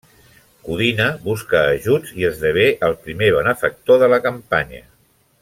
Codina busca ajuts i esdevé el primer benefactor de la campanya.